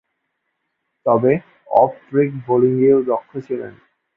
তবে, off break বোলিংয়েও দক্ষ ছিলেন।